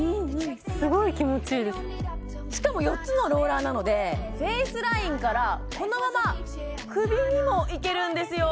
すごい気持ちいいですしかも４つのローラーなのでフェイスラインからこのまま首にもいけるんですよ